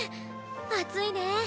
暑いねえ。